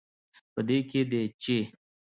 په دې کې دی، چې